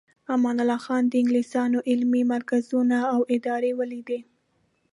امان الله خان د انګلیسانو علمي مرکزونه او ادارې ولیدې.